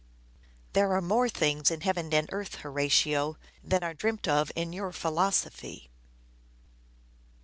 '' There are more things in heaven and earth, Horatio, Than are dreamt of in your philosophy."